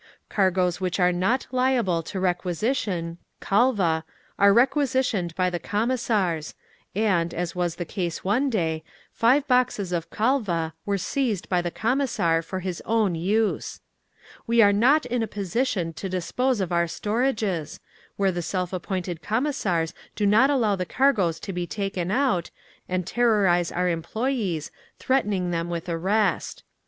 "Cargoes which are not liable to requisition (khalva) are requisitioned by the Commissars and, as was the case one day, five boxes of khalva were seized by the Commissar for his own use. "WE ARE NOT IN A POSITION TO DISPOSE OF OUR STORAGES, where the self appointed Commissars do not allow the cargoes to be taken out, and terrorise our employees, threatening them with arrest.